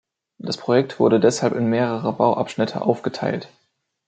Das Projekt wurde deshalb in mehrere Bauabschnitte aufgeteilt.